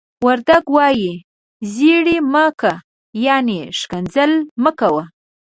وردگ وايي: "زيَړِ مَ کَ." يعنې ښکنځل مه کوه.